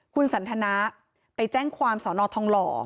คุณสันทนาไปแจ้งความสอนอทองหล่อ